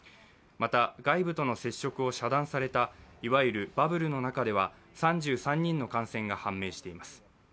また外部との接触を遮断されたいわゆるバブルの中では３３人の感染が判明しています。